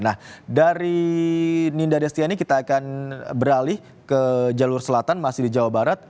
nah dari ninda destiani kita akan beralih ke jalur selatan masih di jawa barat